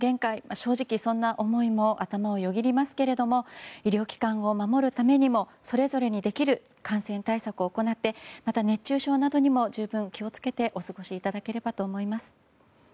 正直、そんな思いも頭をよぎりますけれども医療機関を守るためにもそれぞれにできる感染対策を行ってまた、熱中症などにも十分気を付けてお過ごしいただければと思います。